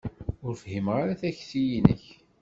Ur fhimeɣ ara takti-inek.